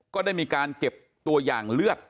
ก็ได้มีการเก็บตัวอย่างเลือด